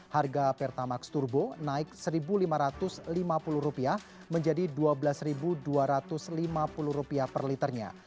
harga pertamax turbo naik rp satu lima ratus lima puluh menjadi rp dua belas dua ratus lima puluh per liternya